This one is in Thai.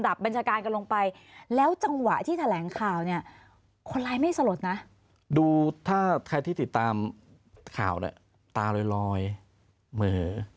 ตาลอยเหมือ